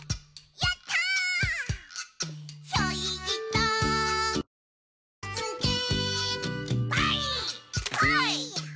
やったー！」